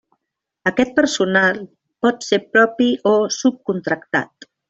Aquest personal pot ser propi o subcontractat.